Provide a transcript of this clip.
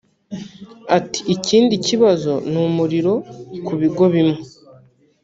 Ati “Ikindi kibazo ni umuriro ku bigo bimwe